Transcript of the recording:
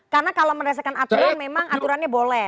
karena kalau merasakan aturan memang aturannya boleh